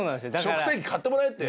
食洗機買ってもらえって。